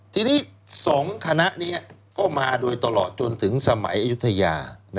ทีนี้๒คณะนี้ก็มาโดยตลอดจนถึงสมัยอายุทยา